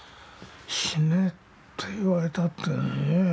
死ねって言われたってねえ。